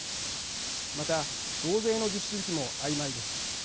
また増税の実施時期もあいまいです。